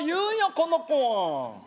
この子は。